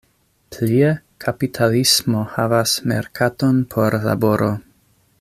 Plie, kapitalismo havas merkaton por laboro.